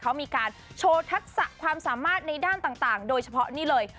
เขามีการโชว์ทักษะความสามารถในด้านต่างโดยเฉพาะนี่เลย